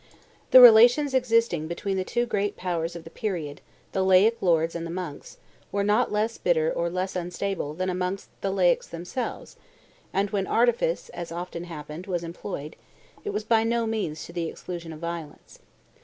The relations existing between the two great powers of the period, the laic lords and the monks, were not less bitter or less unstable than amongst the laics themselves; and when artifice, as often happened, was employed, it was by no means to the exclusion of violence.